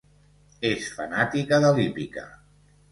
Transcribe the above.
És fanàtica de l'hípica.